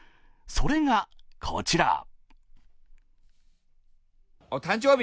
それがこちら。